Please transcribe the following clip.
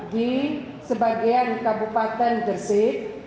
di sebagian kabupaten gersik